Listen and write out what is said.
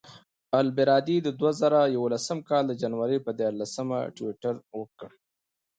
البرادعي د دوه زره یولسم کال د جنورۍ پر دیارلسمه ټویټر وکړ.